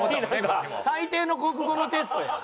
最低の国語のテストやん。